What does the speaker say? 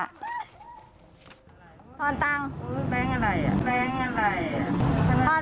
แม่ค้ายังงไงเนี่ยเหรอ